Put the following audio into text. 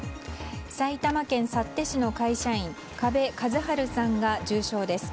埼玉県幸手市の会社員加部一晴さんが重傷です。